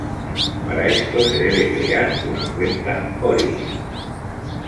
Para esto se debe crear una cuenta Origin.